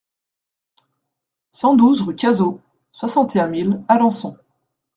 cent douze rue Cazault, soixante et un mille Alençon